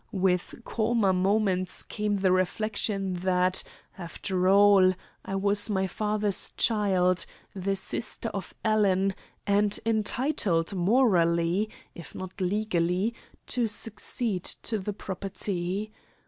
With calmer moments came the reflection that, after all, I was my father's child, the sister of Alan, and entitled morally, if not legally, to succeed to the property.